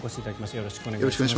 よろしくお願いします。